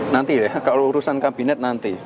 nanti ya kalau urusan kabinet nanti